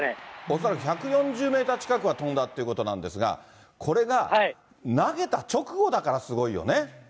恐らく１４０メーター近くは飛んだってことなんですが、これが投げた直後だからすごいよね。